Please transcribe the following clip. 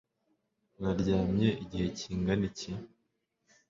naryamye igihe kingana iki